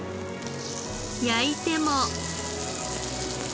焼いても。